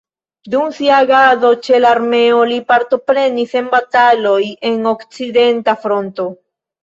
Dum sia agado ĉe la armeo li partoprenis en bataloj en okcidenta fronto.